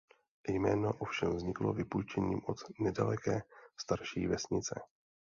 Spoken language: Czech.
Jméno ovšem vzniklo vypůjčením od nedaleké starší vesnice.